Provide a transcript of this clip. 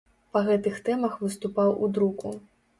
Па гэтых тэмах выступаў у друку.